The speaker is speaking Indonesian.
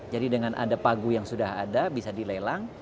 jadi dengan ada pagu yang sudah ada bisa dilelang